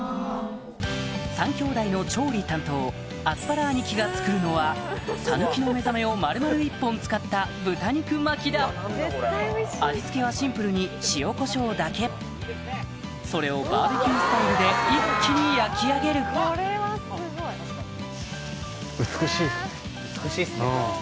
３兄弟の調理担当アスパラ兄貴が作るのは「さぬきのめざめ」を丸々１本使った豚肉巻きだ味付けはシンプルに塩コショウだけそれをバーベキュースタイルで一気に焼き上げる美しいっすね。